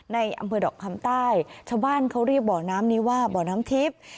ในอำเภอดอกคำใต้ชาวบ้านเขาเรียกบ่อน้ำนี้ว่าบ่อน้ำทิพย์